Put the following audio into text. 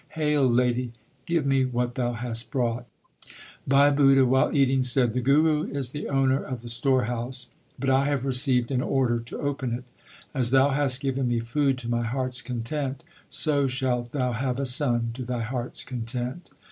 Hail, lady ! give me what thou hast brought/ Bhai Budha while eating said, The Guru is the owner of the storehouse, but I have received an order to open it. As thou hast given me food to my heart s content, so shalt thou have a son to thy heart s content.